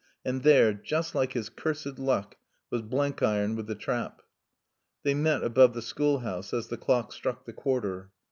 And there (just like his cursed luck) was Blenkiron with the trap. They met above the schoolhouse as the clock struck the quarter.